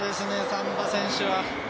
サンバ選手は。